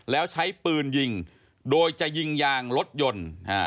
แล้วใช้ปืนยิงโดยจะยิงยางรถยนต์